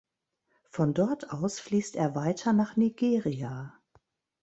Von dort aus fließt er weiter nach Nigeria.